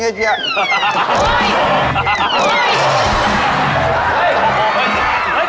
เห็นหน้าในเด็ก